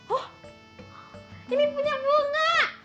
oh ini punya bunga